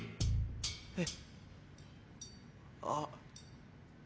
えっ？あっ。